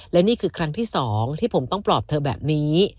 และนี่คือครั้งที่๒ที่ผมต้องปลอบเธอแบบนี้